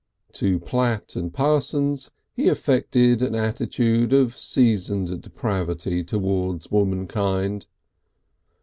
To Platt and Parsons he affected an attitude of seasoned depravity towards womankind.